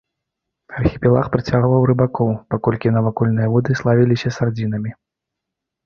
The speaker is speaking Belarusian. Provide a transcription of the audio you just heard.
Архіпелаг прыцягваў рыбакоў, паколькі навакольныя воды славіліся сардзінамі.